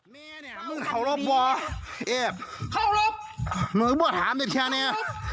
แม่เนี้ยมึงเข้ารอบว่าเอฟเข้ารอบมึงก็ถามได้แค่เนี้ย